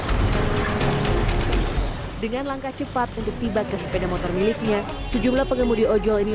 hai dengan langkah cepat untuk tiba ke sepeda motor miliknya sejumlah pengemudi ojol ini